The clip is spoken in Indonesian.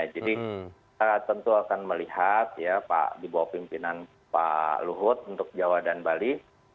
jadi saya tentu akan melihat di bawah pimpinan pak luhut untuk jawa dan bali